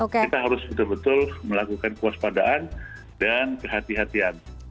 kita harus betul betul melakukan puas padaan dan kehati hatian